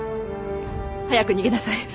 早く逃げなさい。